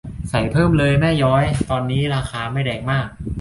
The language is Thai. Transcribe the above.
ใส่เพิ่มเลยแม่ย้อย ตอนนี้ราคาไม่แรงมาก